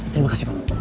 terima kasih pak